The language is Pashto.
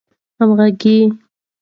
همږغه